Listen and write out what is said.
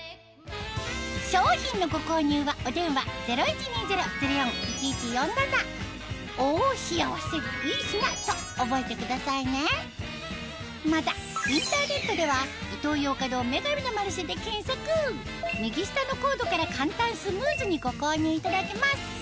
商品のご購入はお電話０１２０−０４−１１４７と覚えてくださいねまたインターネットでは右下のコードから簡単スムーズにご購入いただけます